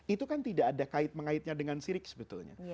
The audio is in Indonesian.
itu kan tidak ada kait mengaitnya dengan sirik sebetulnya